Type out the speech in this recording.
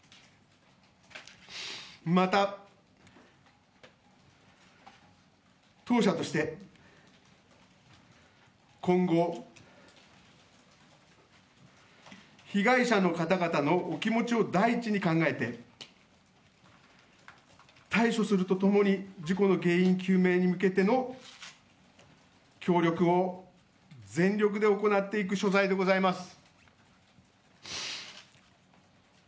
また、当社として今後、被害者の方々のお気持ちを第一に考えて対処するとともに、事故の原因究明に向けての協力を全力で行っていく所在でおります。